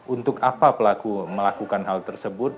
untuk apa pelaku melakukan hal tersebut